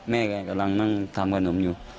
แม่กำลังทำขนมอยู่